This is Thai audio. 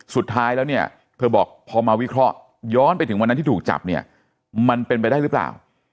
สุดท้ายแล้วเนี่ยเธอบอกพอมาวิเคราะห์ย้อนไปถึงวันนั้นที่ถูกจับเนี่ยมันเป็นไปได้หรือเปล่า